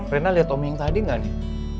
rina lihat om yang tadi gak nih